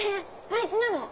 あいつなの！